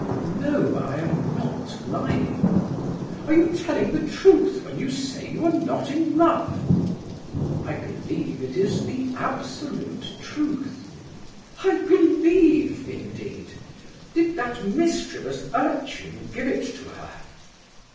"No, I am not lying." "Are you telling the truth when you say you are not in love?" "I believe it is the absolute truth." "'I believe,' indeed! Did that mischievous urchin give it to her?"